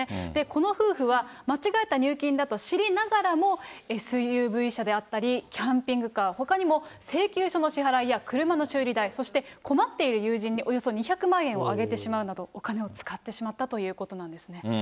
この夫婦は、間違えた入金だと知りながらも、ＳＵＶ車であったり、キャンピングカー、ほかにも請求書の支払いや車の修理代、そして困っている友人におよそ２００万円をあげてしまうなど、お金を使ってしまったということなんですね。